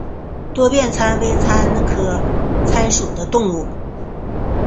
多变尻参为尻参科尻参属的动物。